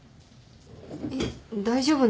えっ大丈夫なの？